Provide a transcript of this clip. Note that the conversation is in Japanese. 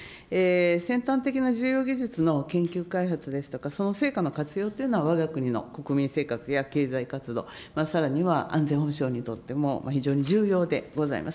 先端的な重要技術の研究開発ですとか、その成果の活用というのは、わが国の国民生活や経済活動、さらには安全保障にとっても非常に重要でございます。